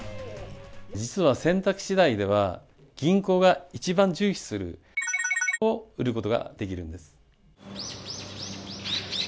実は選択次第では、銀行が一番重視する×××を得ることができるんです。